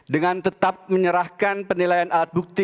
dengan tetap menyerahkan penilaian alat bukti